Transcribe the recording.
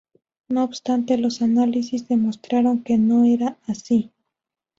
No obstante, los análisis demostraron que no era así.